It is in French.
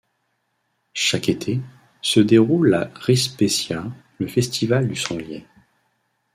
Chaque été, se déroule à Rispescia le festival du sanglier.